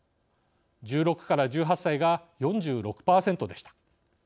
１６１８歳が４６％でした。